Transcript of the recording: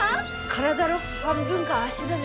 体の半分が脚だね。